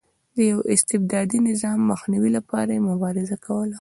د یوه استبدادي نظام د مخنیوي لپاره یې مبارزه کوله.